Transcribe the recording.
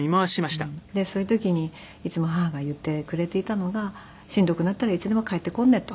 でそういう時にいつも母が言ってくれていたのが「しんどくなったらいつでも帰ってこんね」と。